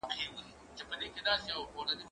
زه به سبا کتابونه وړم